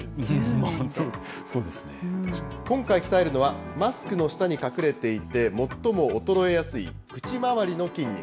今回、鍛えるのはマスクの下に隠れていて、最も衰えやすい口回りの筋肉。